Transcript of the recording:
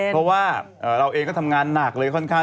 เพราะว่าเราเองก็ทำงานหนักเลยค่อนข้าง